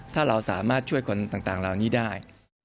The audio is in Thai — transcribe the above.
ถ้าเราสามารถช่วยคนต่างเหล่านี้ได้